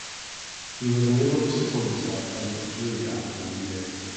He was unable to support himself and withdrew after a year.